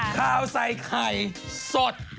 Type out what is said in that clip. ข้าวใส่ไข่สด